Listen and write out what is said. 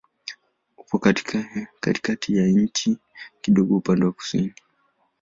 Upo katikati ya nchi, kidogo upande wa kusini.